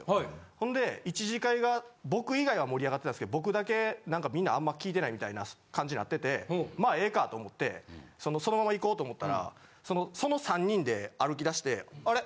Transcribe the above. ほんで１次会が僕以外は盛り上がってたんですけど僕だけなんかみんなあんま聞いてないみたいな感じなっててまぁええかと思ってそのまま行こうと思ったらその３人で歩き出して「あれ？